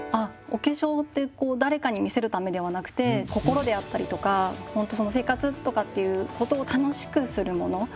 お化粧って誰かに見せるためではなくて心であったりとか本当その生活とかっていうことを楽しくするもの。